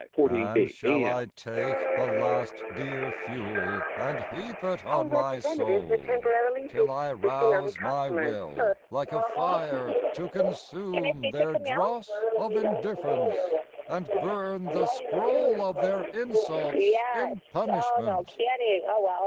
And shall I take The last dear fuel and heap it on my soul Till I rouse my will like a fire to consume Their dross of indifference, and burn the scroll Of their insults in punishment?